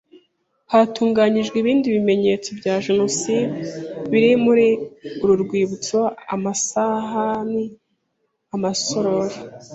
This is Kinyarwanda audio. Hatunganyijwe ibindi bimenyetso bya Jenoside biri muri uru rwibutso amasahani amasorori